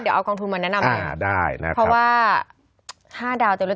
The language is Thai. เดี๋ยวเอากองทุนมาแนะนำมาได้นะครับเพราะว่าห้าดาวจะลด